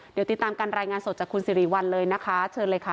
เดี๋ยวติดตามการรายงานสดจากคุณสิริวัลเลยนะคะเชิญเลยค่ะ